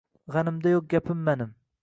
G’animda yo’q gapim manim.